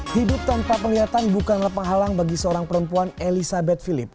hidup tanpa pelihatan bukanlah penghalang bagi seorang perempuan elisabeth philippe